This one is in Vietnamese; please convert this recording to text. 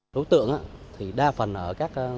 đối tượng thì đa phần ở các tỉnh